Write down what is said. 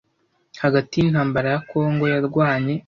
Hagati yintambara ya congo yarwanye